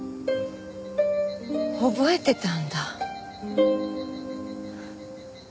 覚えてたんだ。